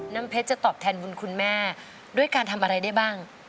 น้ำเพชรจะตอบแทนบุญคุณแม่ด้วยการทำอะไรได้บ้าง